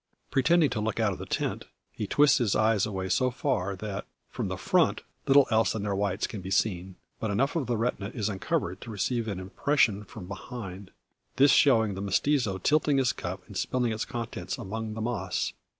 Pretending to look out of the tent, he twists his eyes away so far, that, from the front, little else than their whites can be seen. But enough of the retina is uncovered to receive an impression from behind; this showing the mestizo tilting his cup, and spilling its contents among the moss!